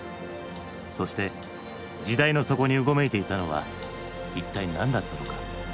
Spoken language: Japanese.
そして時代の底にうごめいていたのは一体何だったのか。